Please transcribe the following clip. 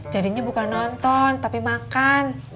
jadinya bukan nonton tapi makan